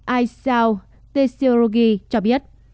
aisau tetsurogi cho biết